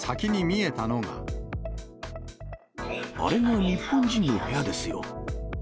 あれが日本人の部屋ですよ。